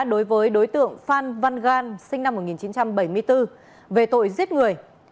đối với đối tượng phan văn gan sinh năm một nghìn chín trăm bảy mươi bốn về tội giết người